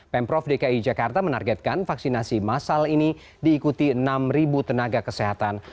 pemprov dki jakarta menargetkan vaksinasi masal ini diikuti enam tenaga kesehatan